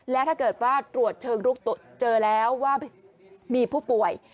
และถ้าเกิดว่าตรวจเชิงลุกเจอแล้วว่ามีผู้ป่วย